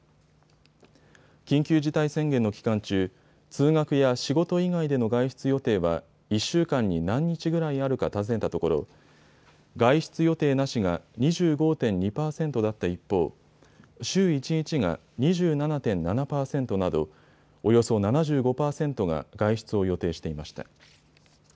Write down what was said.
緊急事態宣言の期間中、通学や仕事以外での外出予定は１週間に何日ぐらいあるか尋ねたところ、外出予定なしが２５．２％だった一方、週１日が２７．７％などおよそ７５％が外出を予定していました。